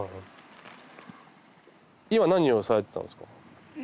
今何をされてたんですか？